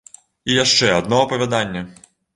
І яшчэ адно апавяданне!